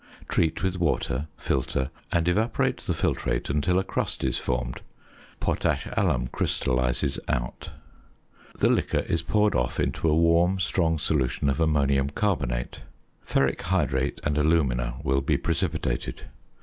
Treat with water, filter, and evaporate the filtrate until a crust is formed. Potash alum crystallises out. The liquor is poured off into a warm strong solution of ammonium carbonate. Ferric hydrate and alumina will be precipitated.